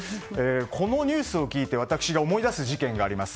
このニュースを聞いて私が思い出す事件があります。